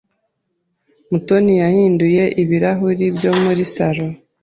Mutoni yahinduye ibirahure byo muri saloon.